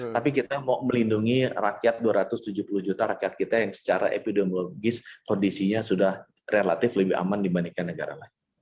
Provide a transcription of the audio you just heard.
tapi kita mau melindungi rakyat dua ratus tujuh puluh juta rakyat kita yang secara epidemiologis kondisinya sudah relatif lebih aman dibandingkan negara lain